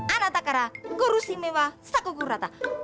anak takara kurusi mewa saku kurata